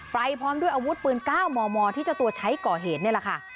พร้อมด้วยอาวุธปืน๙มมที่เจ้าตัวใช้ก่อเหตุนี่แหละค่ะ